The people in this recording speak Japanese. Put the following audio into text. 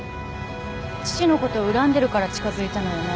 父のこと恨んでるから近づいたのよね？